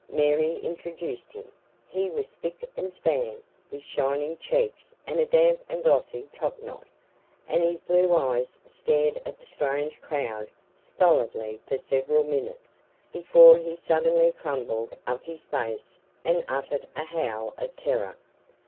Mary introduced him. He was spick and span, with shining cheeks and a damp and glossy top knot, and his blue eyes stared at the strange crowd stolidly for several minutes before he suddenly crumpled up his face and uttered a howl of terror.